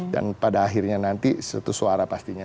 dan pada akhirnya nanti suatu suara pastinya